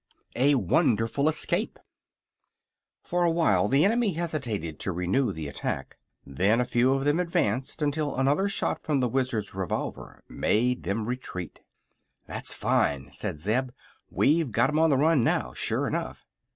A WONDERFUL ESCAPE For a while the enemy hesitated to renew the attack. Then a few of them advanced until another shot from the Wizard's revolver made them retreat. "That's fine," said Zeb. "We've got 'em on the run now, sure enough."